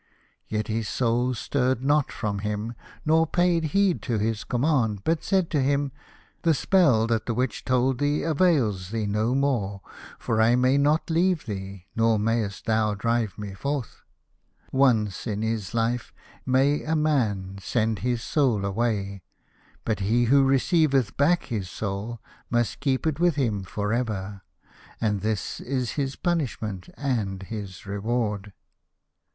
Yet his Soul stirred not from him, nor paid heed to his command, but said to him, " The spell that the Witch told thee avails thee no more, for I may not leave thee, nor mayest thou drive me forth. Once in his life may a man send his Soul away, but he who receiveth back his Soul must keep it with him for ever, and this is his punishment and his reward."